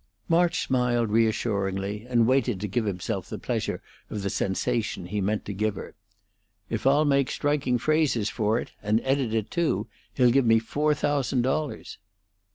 March smiled reassuringly, and waited to give himself the pleasure of the sensation he meant to give her. "If I'll make striking phrases for it and edit it, too, he'll give me four thousand dollars."